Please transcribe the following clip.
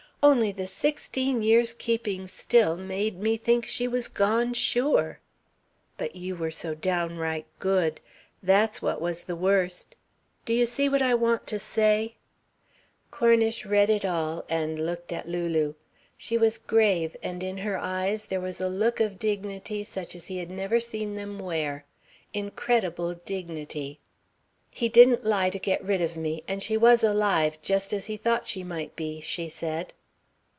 Only the sixteen years keeping still made me think she was gone sure ... but you were so downright good, that's what was the worst ... do you see what I want to say ..." Cornish read it all and looked at Lulu. She was grave and in her eyes there was a look of dignity such as he had never seen them wear. Incredible dignity. "He didn't lie to get rid of me and she was alive, just as he thought she might be," she said.